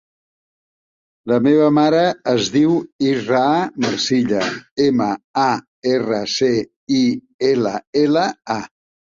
La meva mare es diu Israa Marcilla: ema, a, erra, ce, i, ela, ela, a.